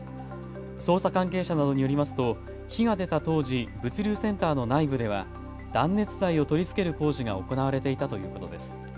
捜査関係者などによりますと火が出た当時、物流センターの内部では断熱材を取り付ける工事が行われていたということです。